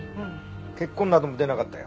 血痕なども出なかったよ。